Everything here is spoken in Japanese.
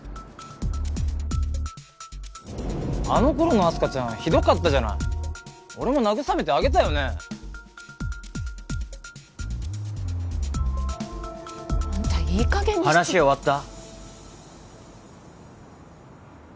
あの頃のあす花ちゃんひどかったじゃない俺もなぐさめてあげたよねあんたいいかげんに話終わった？